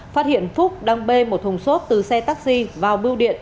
phát hiện phúc đang bê một thùng xốp từ xe taxi vào bưu điện